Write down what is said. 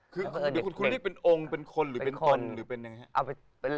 คุณเรียกถึงเป็นองค์เป็นคนหรือเป็นตน